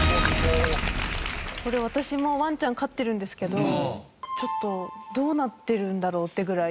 これ私もワンちゃん飼ってるんですけどちょっとどうなってるんだろう？ってぐらい。